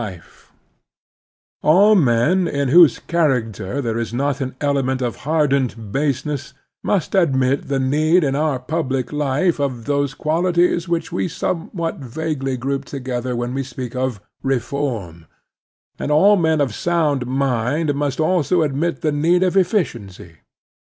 v ^ 42 The Strenuous Life All men in whose character there is not an element of hardened baseness must admit the need in otir public life of those qualities which we somewhat vaguely group together when we speak of "reform," and all men of sotind mind mtist also admit the need of efficiency.